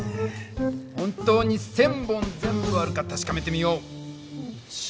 本当に１，０００本全部あるか確かめてみよう。